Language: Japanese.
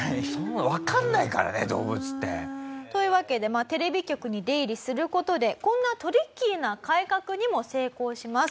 わかんないからね動物って。というわけでテレビ局に出入りする事でこんなトリッキーな改革にも成功します。